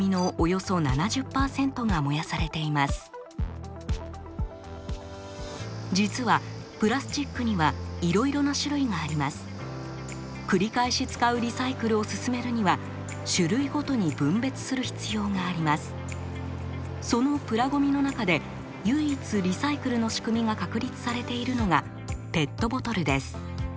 そのプラごみの中で唯一リサイクルの仕組みが確立されているのがペットボトルです。